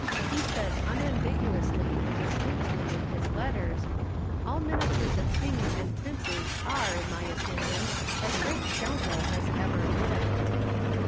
He says unambiguously and distinctly in his letters, " All ministers of kings and princes are, in my opinion, as great scoundrels as ever lived."